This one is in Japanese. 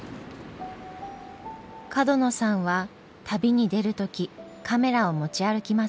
角野さんは旅に出る時カメラを持ち歩きません。